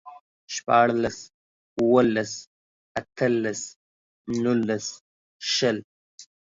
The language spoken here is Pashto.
شپاړلس، اوولس، اتلس، نولس، شل